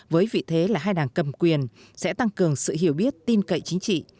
với vị thế là hai đảng cầm quyền sẽ tăng cường sự hiểu biết tin cậy chính trị